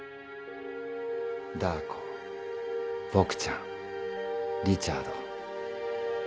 ダー子ボクちゃんリチャード。